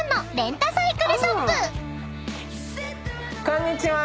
こんにちは！